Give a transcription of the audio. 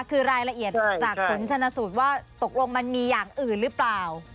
คือรายละเอียดจากผลชนสูตรว่าตกลงมันมีอย่างอื่นหรือเปล่า